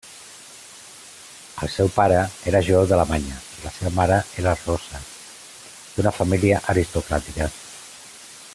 El seu pare era jueu d'Alemanya, i la seva mare era russa, d'una família aristocràtica.